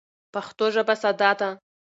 پښتو ژبه ساده ده.